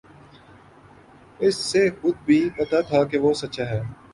اسے خود بھی پتہ تھا کہ وہ سچا ہے